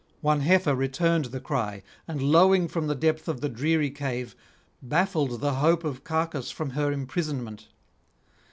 One heifer returned the cry, and, lowing from the depth of the dreary cave, baffled the hope of Cacus from her imprisonment.